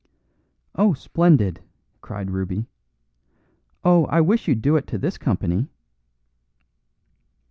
"Oh, splendid," cried Ruby. "Oh, I wish you'd do it to this company."